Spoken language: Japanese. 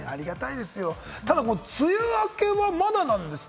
梅雨明けはまだなんですか？